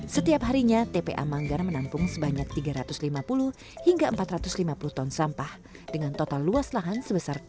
setiap harinya tpa manggar menampung sebanyak tiga ratus lima puluh hingga empat ratus lima puluh ton sampah dengan total luas lahan sebesar